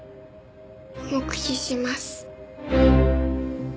黙秘します。